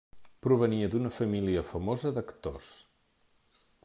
Provenia d'una família famosa d'actors.